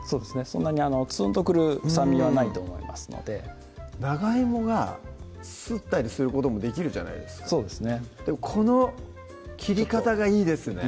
そんなにツンとくる酸味はないと思いますので長いもがすったりすることもできるじゃないですかでもこの切り方がいいですね